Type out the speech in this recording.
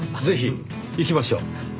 ぜひ行きましょう。